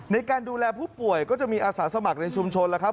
ในการดูแลผู้ป่วยก็จะมีอาสาสมัครในชุมชนแล้วครับ